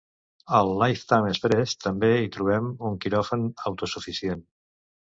Al Lifeline Express també hi trobem un quiròfan autosuficient.